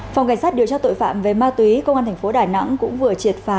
phòng cảnh sát điều tra tội phạm về ma túy công an thành phố đà nẵng cũng vừa triệt phá